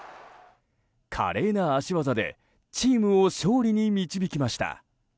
華麗な足技でチームを勝利に導きました。